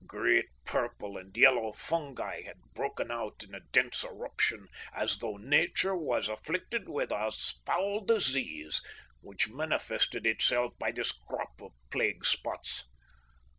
Great purple and yellow fungi had broken out in a dense eruption, as though Nature were afflicted with a foul disease, which manifested itself by this crop of plague spots.